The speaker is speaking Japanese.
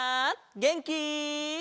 げんき？